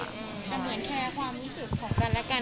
แต่เหมือนแคร์ความรู้สึกของกันและกัน